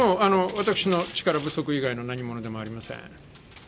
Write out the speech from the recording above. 私の力不足の何以外でもありません。